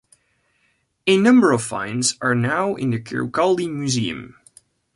A number of finds are now in the Kirkcaldy Museum.